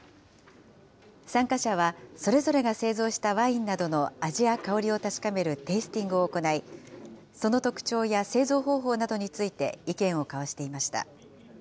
参加者は、それぞれが製造したワインなどの味や香りを確かめるテイスティングを行い、その特徴や製造方法などについて、意見を交わしていました。